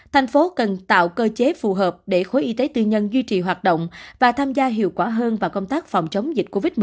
thành phố cần tạo cơ chế phù hợp để khối y tế tư nhân duy trì hoạt động và tham gia hiệu quả hơn vào công tác phòng chống dịch covid một mươi chín